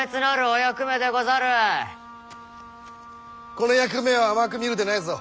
この役目を甘く見るでないぞ。